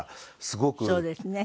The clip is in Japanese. そうですね。